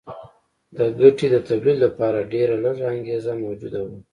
د ګټې د تولید لپاره ډېره لږه انګېزه موجوده وه